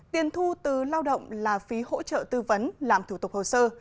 tiền thu từ lao động là phí hỗ trợ tư vấn làm thủ tục hồ sơ